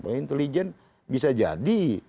penjadikan bisa jadi